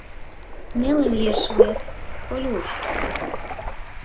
— Неле лиеш вет, Колюш?